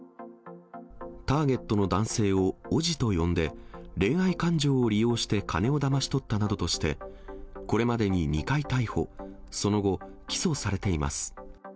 ターゲットの男性をおぢと呼んで、恋愛感情を利用して金をだまし取ったなどとして、これまでに２回逮捕、その後、起訴されています。